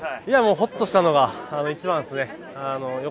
ホッとしたのが一番ですね。